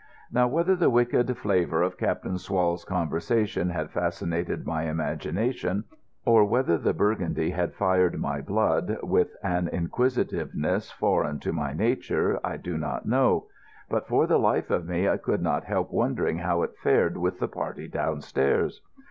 Now whether the wicked flavour of Captain Swall's conversation had fascinated my imagination, or whether the Burgundy had fired my blood with an inquisitiveness foreign to my nature, I do not know, but for the life of me I could not help wondering how it fared with the party downstairs.